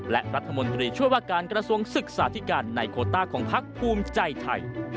และรัฐมนตรีช่วยว่าการกระทรวงศึกษาธิการในโคต้าของพักภูมิใจไทย